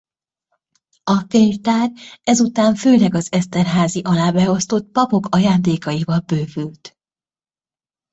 A könyvtár ezután főleg az Eszterházy alá beosztott papok ajándékaival bővült.